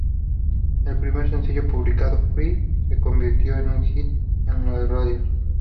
El primer sencillo publicado, ""Free"", se convirtió en un hit en las radios.